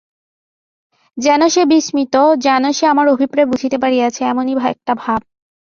যেন সে বিস্মিত, যেন সে আমার অভিপ্রায় বুঝিতে পারিয়াছে, এমনি একটা ভাব।